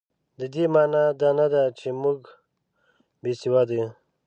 د دې مانا دا نه ده چې موږ بې سواده یو.